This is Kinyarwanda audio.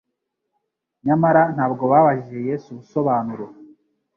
Nyamara ntabwo babajije Yesu ubusobanuro.